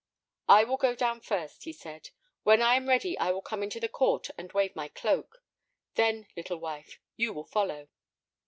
"I will go down first," he said; "when I am ready I will come into the court and wave my cloak. Then, little wife, you will follow."